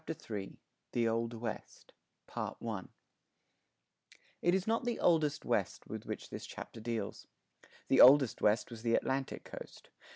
] III THE OLD WEST[67:1] It is not the oldest West with which this chapter deals. The oldest West was the Atlantic coast.